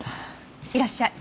いらっしゃい。